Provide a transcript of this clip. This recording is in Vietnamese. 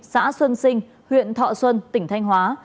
xã xuân sinh huyện thọ xuân tỉnh thanh hóa